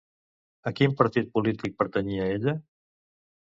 A quin partit polític pertanyia, ella?